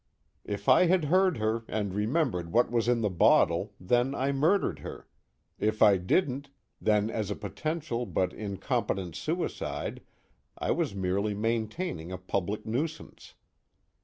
_) _If I heard her and remembered what was in the bottle, then I murdered her. If I didn't, then as a potential but incompetent suicide I was merely maintaining a public nuisance.